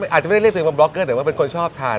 อาจจะไม่ได้เรียกตัวอย่างบล็อกเกอร์แต่เป็นคนชอบทาน